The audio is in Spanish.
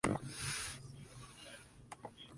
Se casó con Dolores de Molins de Sentmenat.